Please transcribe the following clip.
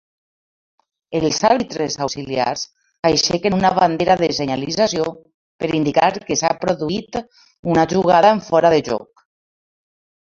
Els àrbitres auxiliars aixequen una bandera de senyalització per indicar que s'ha produït una jugada en fora de joc.